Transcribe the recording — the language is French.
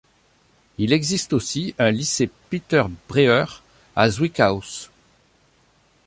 Il existe aussi un Lycée Peter Breuer à Zwickaus.